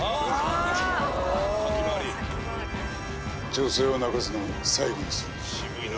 女性を泣かすのも最後にするんだな。